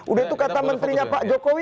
udah itu kata menterinya pak jokowi